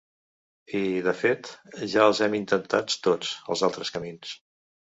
I, de fet, ja els hem intentats tots, els altres camins.